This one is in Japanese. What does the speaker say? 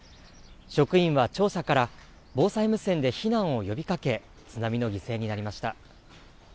職員は庁舎から防災無線で避難を呼びかけ、津波の犠牲になりました。